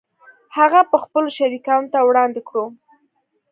هغه به خپلو شریکانو ته وړاندې کړو